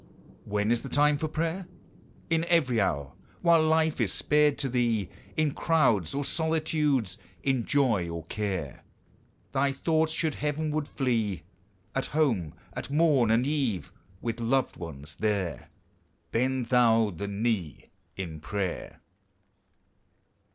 When is the time for prayer? In every hour, while life is spared to thee In crowds or solitudes in joy or care Thy thoughts should heavenward flee. At home at morn and eve with loved ones there, Bend thou the knee in prayer!